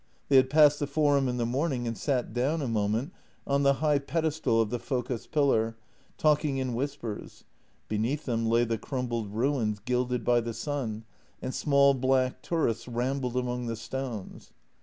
They had passed the Forum in the morning and sat down a moment on the high pedestal of the Focas pillar, talking in whispers. Beneath them lay the crumbled ruins, gilded by the sun, and small black tourists rambled among the stones.